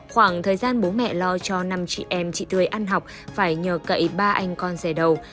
khoảng thời gian bố mẹ lo cho năm chị em chị tươi ăn học phải nhờ cậy ba anh con rè đầu